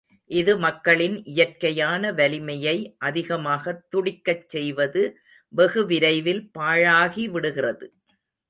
இது மக்களின் இயற்கையான வலிமையை அதிகமாகத் துடிக்கச் செய்து வெகு விரைவில் பாழாக்கிவிடுகிறது.